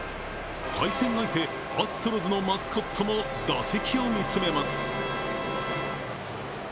対戦相手、アストロズのマスコットも打席を見つめます。